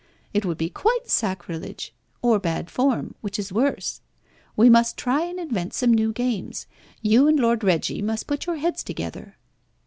It would be quite sacrilege, or bad form, which is worse. We must try and invent some new games. You and Lord Reggie must put your heads together."